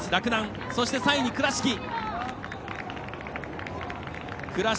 そして、３位に倉敷。